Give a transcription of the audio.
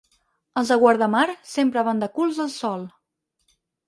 Els de Guardamar, sempre van de culs al sol.